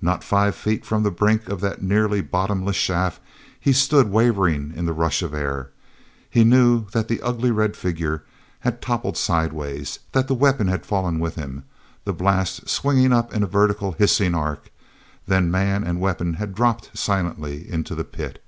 Not five feet from the brink of that nearly bottomless shaft he stood wavering in the rush of air. He knew that the ugly red figure had toppled sideways, that the weapon had fallen with him, the blast swinging upward in a vertical, hissing arc—then man and weapon had dropped silently into the pit.